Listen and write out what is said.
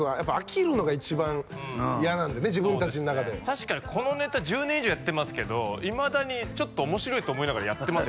確かにこのネタ１０年以上やってますけどいまだにちょっと面白いと思いながらやってます